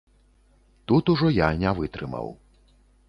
Тут ужо я не вытрымаў.